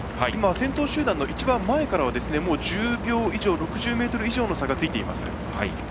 先頭集団の一番前からはもう１０秒以上６０ｍ以上の差がついています。